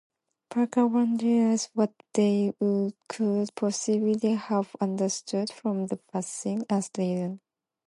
Parker wonders what they could possibly have understood from the passage as written.